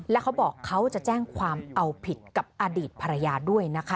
แล้วเขาบอกเขาจะแจ้งความเอาผิดกับอดีตภรรยาด้วยนะคะ